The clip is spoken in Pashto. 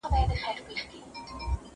زه مڼې خوړلي دي،